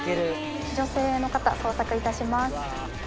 女性の方、捜索いたします。